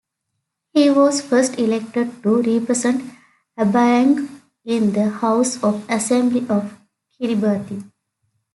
He was first elected to represent Abaiang in the House of Assembly of Kiribati.